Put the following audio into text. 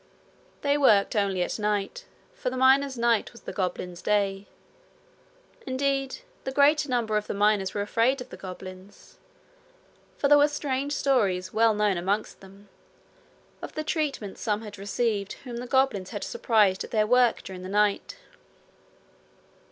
They worked only at night, for the miners' night was the goblins' day. Indeed, the greater number of the miners were afraid of the goblins; for there were strange stories well known amongst them of the treatment some had received whom the goblins had surprised at their work during the night.